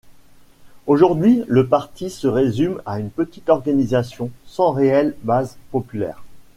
Aujourd'hui le parti se résume à une petite organisation, sans réelle base populaire.